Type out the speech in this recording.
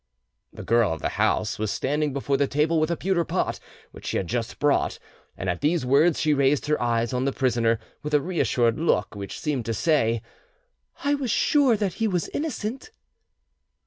The girl of the house was standing before the table with a pewter pot which she had just brought, and at these words she raised her eyes on the prisoner, with a reassured look which seemed to say, "I was sure that he was innocent."